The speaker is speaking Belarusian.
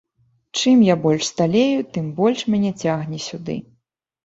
Чым я больш сталею, тым больш мяне цягне сюды.